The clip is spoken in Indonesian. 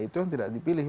itu yang tidak dipilih